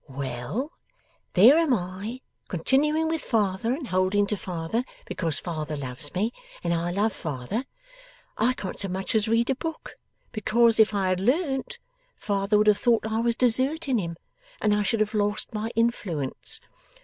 'Well! There am I, continuing with father and holding to father, because father loves me and I love father. I can't so much as read a book, because, if I had learned, father would have thought I was deserting him, and I should have lost my influence.